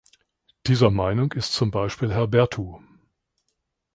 Dieser Meinung ist zum Beispiel Herr Berthu.